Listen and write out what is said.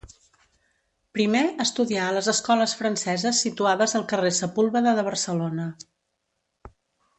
Primer estudià a les Escoles Franceses situades al carrer Sepúlveda de Barcelona.